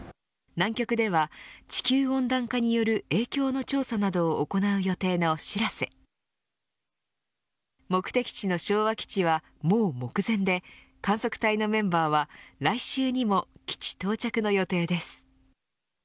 南極では、地球温暖化による影響の調査などを行う予定のしらせ目的地の昭和基地はもう目前で観測隊のメンバーは来週にも基地到着の予定です。